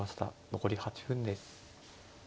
残り８分です。